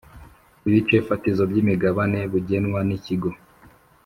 ibice fatizo by’imigabane bugenwa n Ikigo